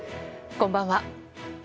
こんばんは。